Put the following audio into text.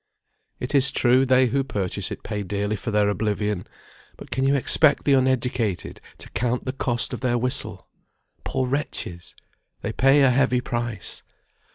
It is true they who thus purchase it pay dearly for their oblivion; but can you expect the uneducated to count the cost of their whistle? Poor wretches! They pay a heavy price.